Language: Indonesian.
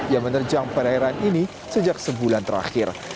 yang menerjang perairan ini sejak sebulan terakhir